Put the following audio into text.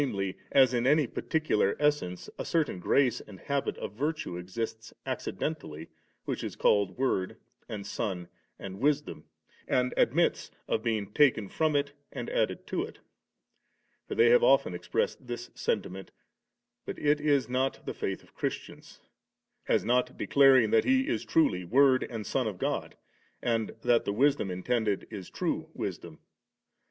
as in any particular essence, a certain grace and habit of virtue exists accidentally, which is called Word and Son and Wisdom, and admits of being taken from it and added to it For they have often expressed this sentiment, but it is not the faith of Christians ; as not declaring that He is truly Word and Son of God, or that the wisdom intended is true Wisdom.